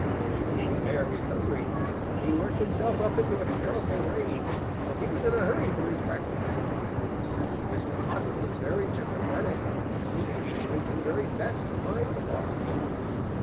Old King Bear was hungry, and he worked himself up into a terrible rage, for he was in a hurry for his breakfast. Old Mr. Possum was very sympathetic and seemed to be doing his very best to find the lost meal.